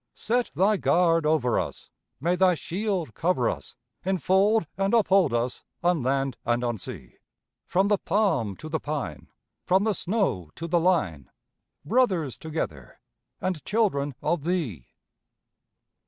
Set Thy guard over us, May Thy shield cover us, Enfold and uphold us On land and on sea! From the palm to the pine, From the snow to the line, Brothers together And children of Thee.